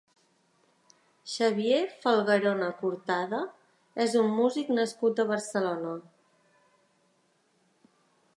Xavier Falgarona Cortada és un músic nascut a Barcelona.